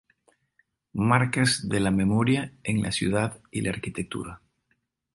Marcas de la memoria en la ciudad y la arquitectura".